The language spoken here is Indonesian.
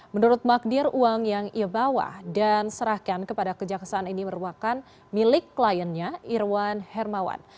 menurut magdir uang yang ia bawa dan serahkan kepada kejaksaan ini merupakan milik kliennya irwan hermawan